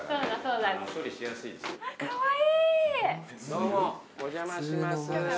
どうもお邪魔します。